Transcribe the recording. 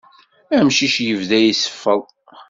Amcic yebda iseffeḍ.